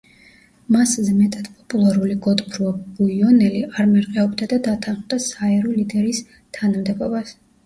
მასზე მეტად პოპულარული გოდფრუა ბუიონელი არ მერყეობდა და დათანხმდა საერო ლიდერის თანამდებობას.